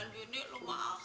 jalan gini loh mah